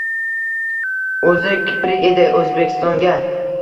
O’zi kiprik edi O’zbekistonga.